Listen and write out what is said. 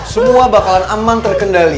semua bakalan aman terkendali